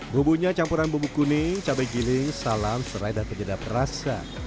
bubunya campuran bumbu kuning cabai giling salam serai dan kejadah perasa